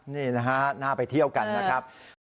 นี่นะฮะน่าไปเที่ยวกันนะครับ